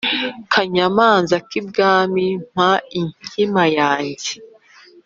kanyamanza k’ibwami mpa inkima yanjye